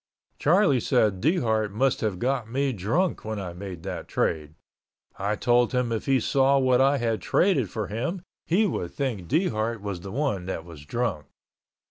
Charlie said Dehart must have got me drunk when I made that trade. I told him if he saw what I had traded for him he would think Dehart was the one that was drunk.